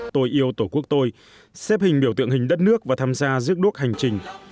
tôi yêu tổ quốc tôi xếp hình biểu tượng hình đất nước và tham gia rước đuốc hành trình